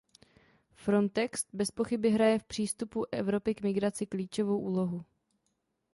Frontext bezpochyby hraje v přístupu Evropy k migraci klíčovou úlohu.